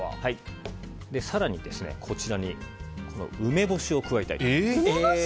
更に、こちらに梅干しを加えたいと思います。